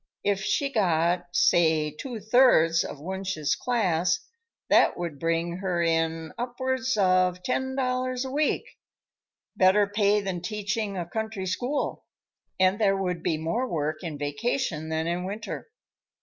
If she got, say two thirds of Wunsch's class, that would bring her in upwards of ten dollars a week. Better pay than teaching a country school, and there would be more work in vacation than in winter.